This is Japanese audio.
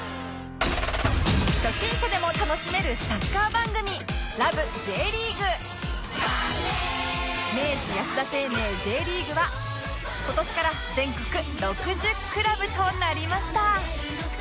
初心者でも楽しめるサッカー番組明治安田生命 Ｊ リーグは今年から全国６０クラブとなりました